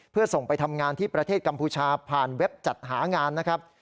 เพื่อส่งไปทำงานที่ประเทศกัมพูชาผ่านเว็บจัดหางานนะครับ